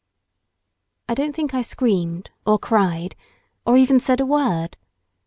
I don't think I screamed or cried, or even said a word.